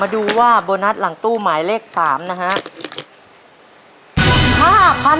ดูว่าโบนัสหลังตู้หมายเลข๓นะฮะ